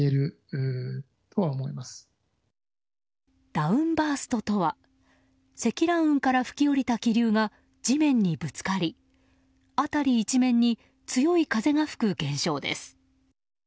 ダウンバーストとは積乱雲から吹き降りた気流が地面にぶつかり辺り一面に強い風が吹く現象です。